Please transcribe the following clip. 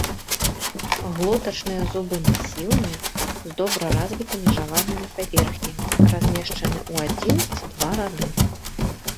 Глотачныя зубы масіўныя, з добра развітымі жавальнымі паверхнямі, размешчаны ў адзін ці два рады.